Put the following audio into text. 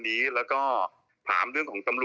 พี่หนุ่ม